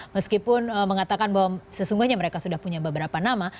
meskipun mengatakan bahwa sesungguhnya mereka sudah punya beberapa nama